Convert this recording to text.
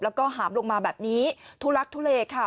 แล้วก็หามลงมาแบบนี้ทุลักทุเลค่ะ